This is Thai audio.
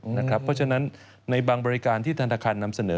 เพราะฉะนั้นในบางบริการที่ธนาคารนำเสนอ